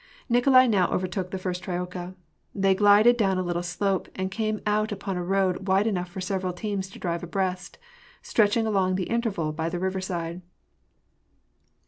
Nikolai now overtook the first troika. They glided down a little slope, and came out upon a road wide enough for several teams to drive abreast^ stretching along the intervale by the river side.